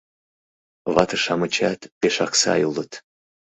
Вате-шамычат пешак сай улыт: